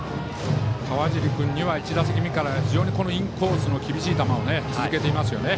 川尻君には１打席目からインコースの厳しい球を続けていますよね。